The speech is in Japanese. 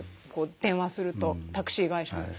電話するとタクシー会社に。